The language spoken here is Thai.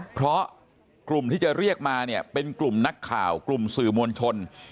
เพราะกลุ่มที่จะเรียกมาเนี่ยเป็นกลุ่มนักข่าวกลุ่มสื่อมวลชน